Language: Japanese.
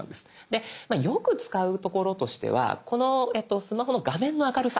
でよく使うところとしてはこのスマホの画面の明るさ。